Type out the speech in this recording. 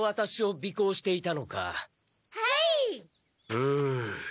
うん。